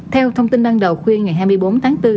theo thông tin đăng đầu khuyên ngày hai mươi bốn tháng bốn